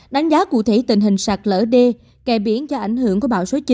đánh giá cụ thể tình hình sạt lỡ đê kè biển do ảnh hưởng của bão số chín